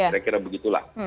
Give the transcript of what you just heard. saya kira begitulah